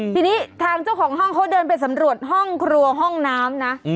ทีนี้ทางเจ้าของห้องเขาเดินไปสำรวจห้องครัวห้องน้ำนะ